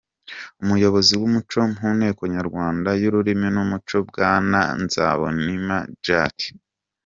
Umuyobozi w’ umuco mu nteko nyarwanda y’ ururimi n’ umuco bwana Nzabonimpa Jacques.